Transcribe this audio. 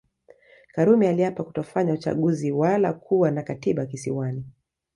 Karume aliapa kutofanya uchaguzi wala kuwa na Katiba Kisiwani